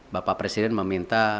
bapak presiden meminta